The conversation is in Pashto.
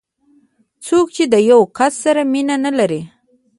څوک چې د یو کس سره مینه نه لري.